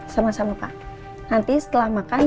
sama sama pak nanti setelah makan